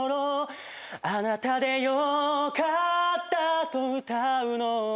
「あなたでよかったと歌うの」